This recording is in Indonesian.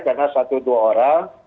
karena satu dua orang